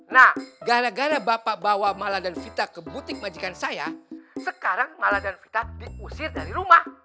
nah gara gara bapak bawa mala dan vita ke butik majikan saya sekarang malah dan vita diusir dari rumah